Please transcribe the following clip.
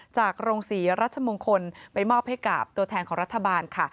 โรงศรีรัชมงคลไปมอบให้กับตัวแทนของรัฐบาลค่ะ